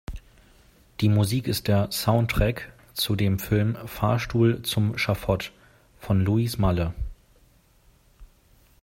Die Musik ist der Soundtrack zu dem Film "Fahrstuhl zum Schafott" von Louis Malle.